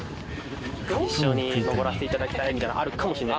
一緒に登らせて頂きたいみたいなのがあるかもしれない。